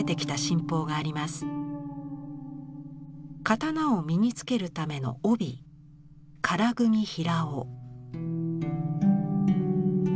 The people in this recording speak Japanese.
刀を身につけるための帯「唐組平緒」。